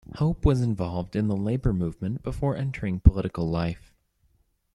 Hope was involved in the labour movement before entering political life.